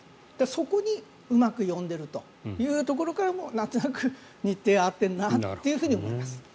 そこにうまく呼んでるというところからもなんとなく日程が合ってるなと思います。